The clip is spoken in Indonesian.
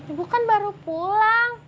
ibu kan baru pulang